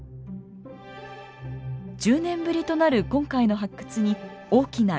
１０年ぶりとなる今回の発掘に大きな期待がかかります。